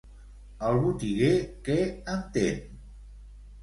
El botiguer què entén?